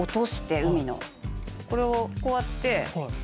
これをこうやって。